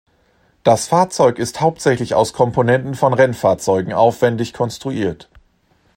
Das Fahrzeug ist hauptsächlich aus Komponenten von Rennfahrzeugen aufwendig konstruiert.